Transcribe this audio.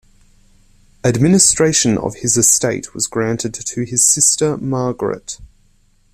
Administration of his estate was granted to his sister Margaret.